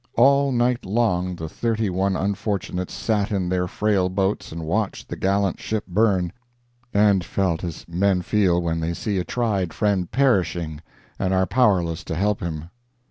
All night long the thirty one unfortunates sat in their frail boats and watched the gallant ship burn; and felt as men feel when they see a tried friend perishing and are powerless to help him.